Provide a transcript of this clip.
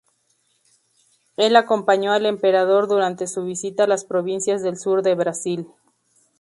Él acompañó al Emperador durante su visita a las provincias del sur del Brasil.